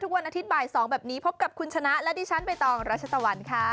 วันอาทิตย์บ่าย๒แบบนี้พบกับคุณชนะและดิฉันใบตองรัชตะวันค่ะ